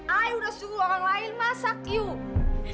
ay udah suruh orang lain masak yuk